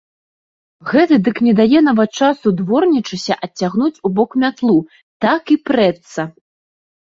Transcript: Гэты дык не дае нават часу дворнічысе адцягнуць убок мятлу, так і прэцца.